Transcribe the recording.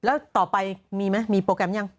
แล้วต่อไปมีไหมมีโปรแกรมยัง